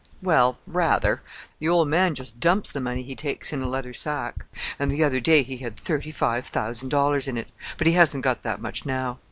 "Well rather! The old man just dumps the money he takes in a leather sack, and the other day he had thirty five thousand dollars in it; but he hasn't got that much now.